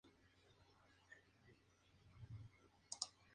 Tras House of M, su siguiente proyecto fue dibujar Young Avengers.